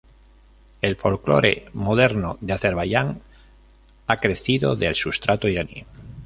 El folclore moderno de Azerbaiyán ha crecido del sustrato iraní.